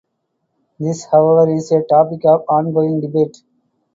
This however is a topic of ongoing debate.